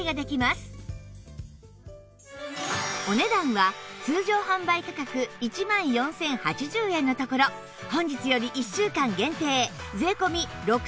お値段は通常販売価格１万４０８０円のところ本日より１週間限定税込６９８０円